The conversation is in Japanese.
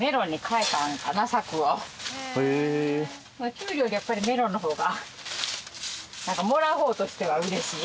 キュウリよりやっぱりメロンの方がもらう方としては嬉しい。